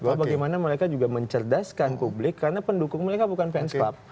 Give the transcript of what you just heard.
bahwa bagaimana mereka juga mencerdaskan publik karena pendukung mereka bukan fans klub